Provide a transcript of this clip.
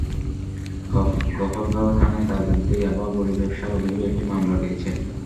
গফরগাঁও থানায় তাঁর বিরুদ্ধে ইয়াবা বড়ি ব্যবসার অভিযোগে একটি মামলা রয়েছে।